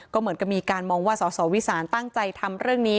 ก็เหมือนกับมีการมองว่าสสวิสานตั้งใจทำเรื่องนี้